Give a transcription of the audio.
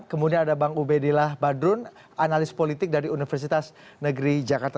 kemudian ada bang ubedillah badrun analis politik dari universitas negeri jakarta